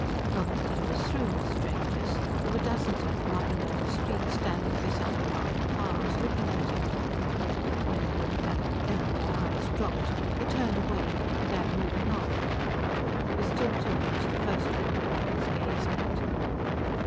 Not that he was through with strangers. There were dozens of them up and down the street, standing beside parked cars, looking at him. But when he looked back at them, their eyes dropped, they turned away, they began moving off. He was still too much the First One to have his gaze met.